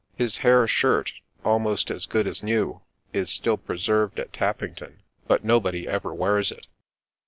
His hair shirt, almost as good as new, is still preserved at Tappington, — but nobody ever wears it.